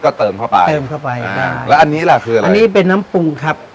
ก็เติมเข้าไปเติมเข้าไปอ่าแล้วอันนี้ล่ะคืออะไรอันนี้เป็นน้ำปรุงครับ